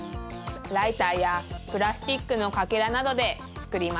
ライターやプラスチックのかけらなどでつくりました。